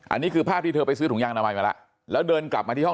อันนี้คือภาพที่เธอไปซื้อถุงยางอนามัยมาแล้วแล้วเดินกลับมาที่ห้อง